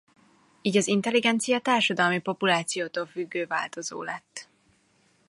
Így az intelligencia társadalmi populációtól függő változó lett.